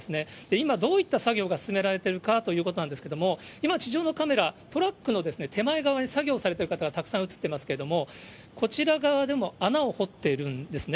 今、どういった作業が進められているかということなんですけれども、今、地上のカメラ、トラックの手前側に作業されている方がたくさん映ってますけれども、こちら側でも穴を掘っているんですね。